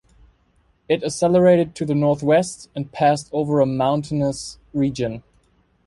It accelerated to the northwest, and passed over a mountainous region.